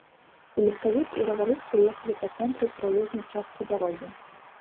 І легкавік, і раварыстка ехалі па цэнтру праезнай часткі дарогі.